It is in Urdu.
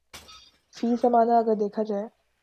فی زمانہ اگر دیکھا جائے